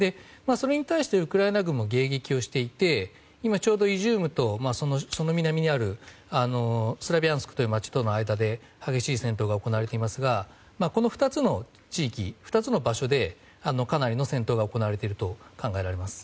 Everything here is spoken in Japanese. それに対してウクライナ軍も迎撃をしていて今、ちょうどイジュームとその南にあるスリャビャンスクという街の間で激しい戦闘が行われていますがこの２つの地域、２つの場所でかなりの戦闘が行われていると考えられます。